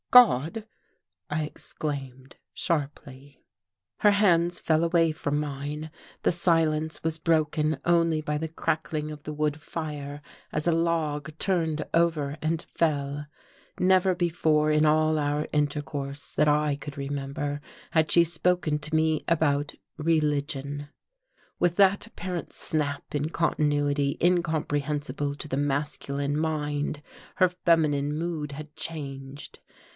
"God!" I exclaimed sharply. Her hands fell away from mine.... The silence was broken only by the crackling of the wood fire as a log turned over and fell. Never before, in all our intercourse that I could remember, had she spoken to me about religion.... With that apparent snap in continuity incomprehensible to the masculine mind her feminine mood had changed.